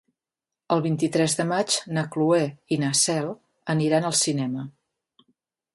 El vint-i-tres de maig na Cloè i na Cel aniran al cinema.